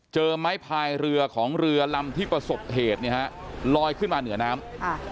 ไม้พายเรือของเรือลำที่ประสบเหตุเนี่ยฮะลอยขึ้นมาเหนือน้ำ